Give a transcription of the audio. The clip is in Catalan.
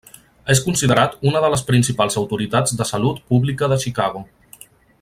És considerat una de les principals autoritats de Salut Pública de Chicago.